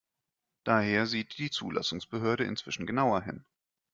Daher sieht die Zulassungsbehörde inzwischen genauer hin.